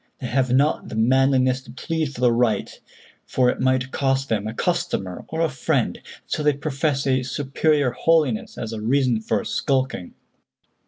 They have not the manliness to plead for the right, for it might cost them a customer or a friend, and so they profess a superior holiness as a reason for skulking."